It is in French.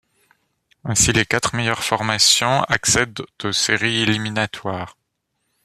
Ainsi les quatre meilleures formations accèdent aux séries éliminatoires.